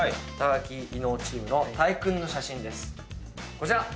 こちら！